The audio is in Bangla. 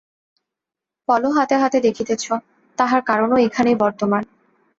ফলও হাতে হাতে দেখিতেছ, তাহার কারণও এইখানেই বর্তমান।